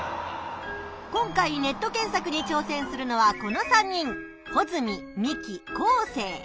今回ネット検索にちょうせんするのはこの３人。